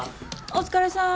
お疲れさん。